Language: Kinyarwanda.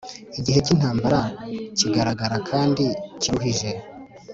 Igihe cy’ intambara kigaragara kandi kiruhije